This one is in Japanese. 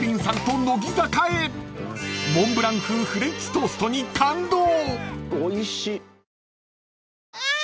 ［モンブラン風フレンチトーストに感動！］